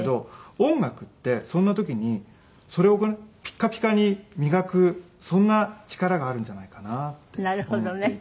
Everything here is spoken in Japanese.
音楽ってそんな時にそれをピカピカに磨くそんな力があるんじゃないかなって思っていて。